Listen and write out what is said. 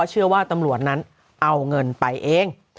เอาเงินไปเอง